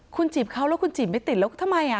คุณจีบเขาแล้วคุณจีบไม่ติดแล้วทำไมอ่ะ